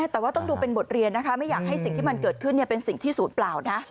แต่ว่าต้องดูเป็นบทเรียนนะคะไม่อยากให้สิ่งที่มันเกิดขึ้นเป็นสิ่งที่ศูนย์เปล่านะ